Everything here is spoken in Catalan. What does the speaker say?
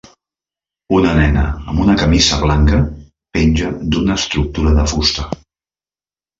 Una nena amb una camisa blanca penja d'una estructura de fusta.